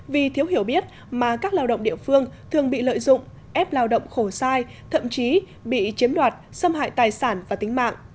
vì thiếu hiểu biết mà các lao động địa phương thường bị lợi dụng ép lao động khổ sai thậm chí bị chiếm đoạt xâm hại tài sản và tính mạng